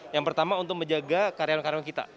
yang pertama untuk menjaga karyawan karyawan kita